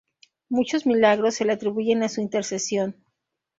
Muchos milagros se le atribuyen a su intercesión.